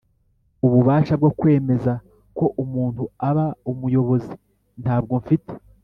ububasha bwo kwemeza ko umuntu aba umu yobozi ntabwo mfite